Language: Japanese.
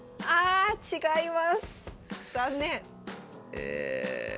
え。